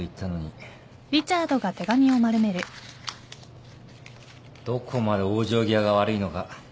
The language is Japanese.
どこまで往生際が悪いのか。